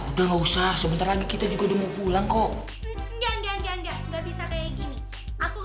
udah gak usah sebentar lagi kita juga udah mau pulang kok